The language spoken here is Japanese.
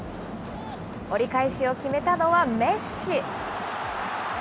折り返しを決めたのはメッシ。